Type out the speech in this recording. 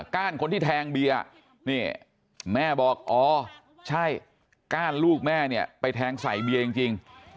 ก้านคนที่แทงเบียร์นี่แม่บอกอ๋อใช่ก้านลูกแม่เนี่ยไปแทงใส่เบียร์จริง